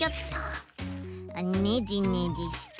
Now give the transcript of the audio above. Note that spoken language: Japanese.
ねじねじして。